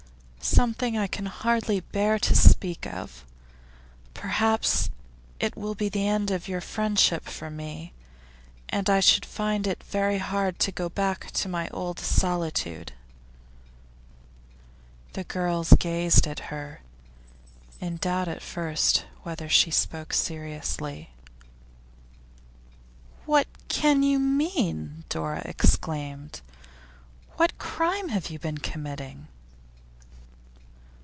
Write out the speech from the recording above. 'Something I can hardly bear to speak of. Perhaps it will be the end of your friendship for me, and I should find it very hard to go back to my old solitude.' The girls gazed at her, in doubt at first whether she spoke seriously. 'What can you mean?' Dora exclaimed. 'What crime have you been committing?